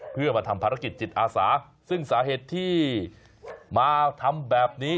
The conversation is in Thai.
เพื่อมาทำภารกิจจิตอาสาซึ่งสาเหตุที่มาทำแบบนี้